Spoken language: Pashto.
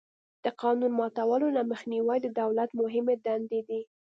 د قانون ماتولو نه مخنیوی د دولت مهمې دندې دي.